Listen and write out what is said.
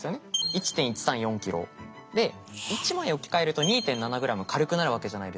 １．１３４ｋｇ。で１枚置き換えると２．７ｇ軽くなるわけじゃないですか。